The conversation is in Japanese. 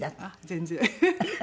全然。